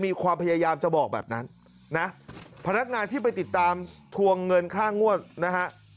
มีความพยายามจะบอกแบบนั้นนะพนักงานที่ไปติดตามทวงเงินค่างวดนะฮะ